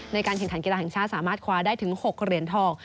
ในการแข่งขันกีฬาแห่งชาติสามารถคว้าได้ถึง๖เหรียญทอง